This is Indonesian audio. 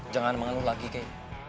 jangan mengaluh lagi kay